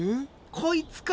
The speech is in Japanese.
こいつか！